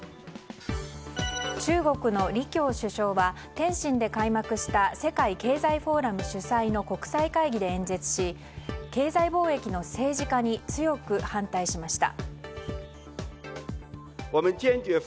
中国の李強首相は天津で開幕した世界経済フォーラム主催の国際会議で演説し経済貿易の政治化に強く反対しました。